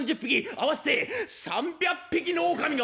合わせて３００匹の狼が！